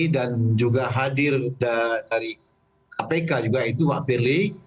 dan juga hadir dari kpk juga itu pak pilih